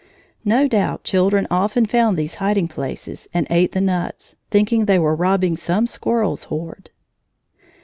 No doubt children often found these hiding places and ate the nuts, thinking they were robbing some squirrel's hoard.